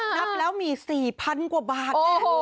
นับแล้วมี๔๐๐๐กว่าบาท